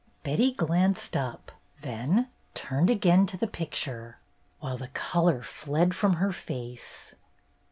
Betty glanced up, then turned again to the picture, while the color fled from her face.